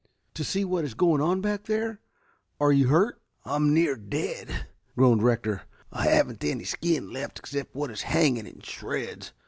"To see what is going on back there. Are you hurt?" "I'm near dead," groaned Rector. "I haven't any skin left except what is hanging in shreds.